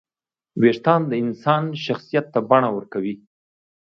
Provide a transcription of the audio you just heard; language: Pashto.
وېښتيان د انسان شخصیت ته بڼه ورکوي.